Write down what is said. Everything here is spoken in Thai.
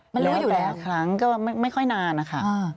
หลายประกาศนคลั้งก็ไม่ค่อยนานค่ะ